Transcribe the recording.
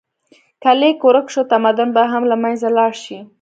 که لیک ورک شو، تمدن به هم له منځه لاړ شي.